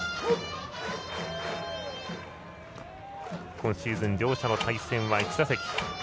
今シーズン、両者の対戦は１打席。